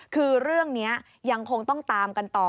คือเรื่องนี้ยังคงต้องตามกันต่อ